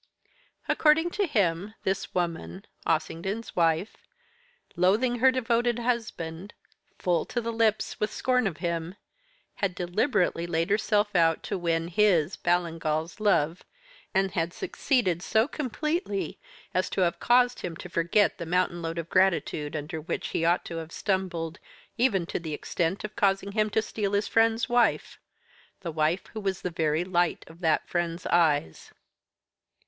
According to him, this woman, Ossington's wife, loathing her devoted husband, full to the lips with scorn of him, had deliberately laid herself out to win his (Ballingall's) love, and had succeeded so completely as to have caused him to forget the mountain load of gratitude under which he ought to have stumbled, even to the extent of causing him to steal his friend's wife the wife who was the very light of that friend's eyes.